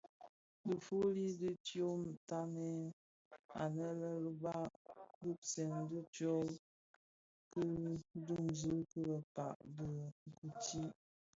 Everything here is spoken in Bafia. Difuli dü dyotanè anë lè luba gubsèn dhi tsog ki dunzi bi dhikpää di Guthrie.